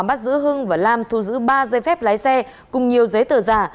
bắt giữ hưng và lam thu giữ ba giấy phép lái xe cùng nhiều giấy tờ giả